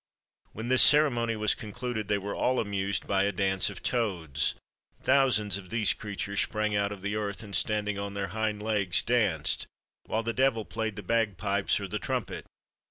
When this ceremony was concluded, they were all amused by a dance of toads. Thousands of these creatures sprang out of the earth, and standing on their hind legs, danced, while the devil played the bagpipes or the trumpet.